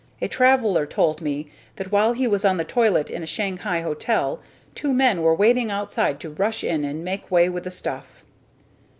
A traveler told me that while he was on the toilet in a Shanghai hotel two men were waiting outside to rush in and make way with the stuff."